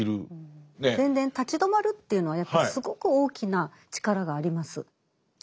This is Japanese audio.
立ち止まるというのはやっぱすごく大きな力があります。